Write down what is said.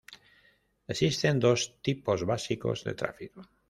Existen dos tipos básicos de tráfico.